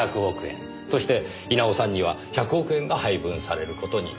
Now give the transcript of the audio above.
そして稲尾さんには１００億円が配分される事になる。